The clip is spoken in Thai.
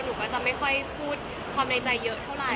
หนูก็จะไม่ค่อยพูดความในใจเยอะเท่าไหร